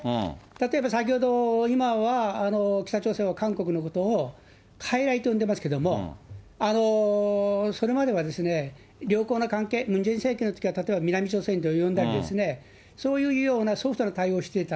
例えば先ほど、今は、北朝鮮は韓国のことをかいらいと呼んでますけども、それまでは良好な関係、ムン・ジェイン政権のときは、例えば南朝鮮と呼んだり、そういうようなソフトな対応をしてた。